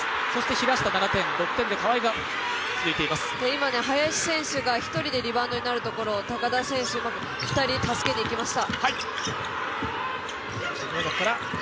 今、林選手が１人でリバウンドになるところを高田選手が２人助けにいきました。